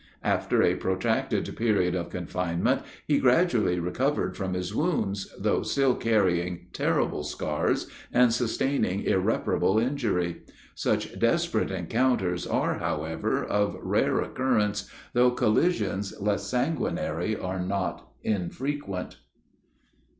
After a protracted period of confinement, he gradually recovered from his wounds, though still carrying terrible scars, and sustaining irreparable injury. Such desperate encounters are, however of rare occurrence, though collisions less sanguinary are not infrequent.